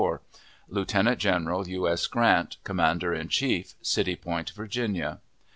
Lieutenant General U. S. GRANT, Commander in Chief, City Point, Virginia.